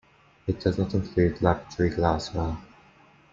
It does not include laboratory glassware.